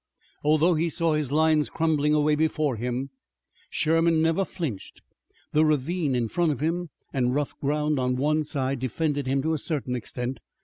Although he saw his lines crumbling away before him, Sherman never flinched. The ravine in front of him and rough ground on one side defended him to a certain extent.